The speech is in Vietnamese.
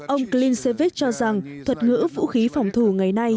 ông klintsevich cho rằng thuật ngữ vũ khí phòng thủ ngày nay